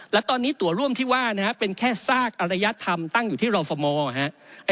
และตอนนี้ตัวร่วมที่ว่านะครับเป็นแค่ซากอรยธรรมตั้งอยู่ที่รอฟมอร์ครับ